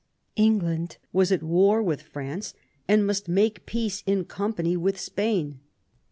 England was at war with France and must make peace in company with Spain.